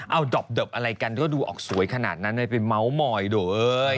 เอาดอปก็ดูฐกสวยขนาดนั้นไปเมา้มอยเด้วย